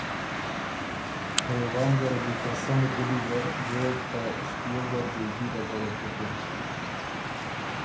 ګرېوان زره دی ته سنړ ګُلی زر جوړ ته ݭپيېو زر بېجي لګوک بُکِن۔